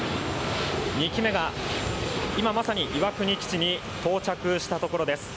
２機目が今まさに岩国基地に到着したところです。